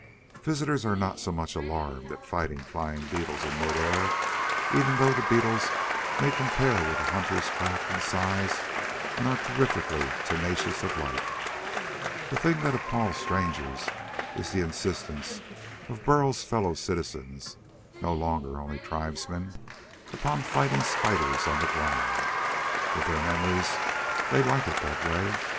Visitors are not so much alarmed at fighting flying beetles in mid air, even though the beetles may compare with the hunters' craft in size and are terrifically tenacious of life. The thing that appalls strangers is the insistence of Burl's fellow citizens no longer only tribesmen upon fighting spiders on the ground. With their memories, they like it that way.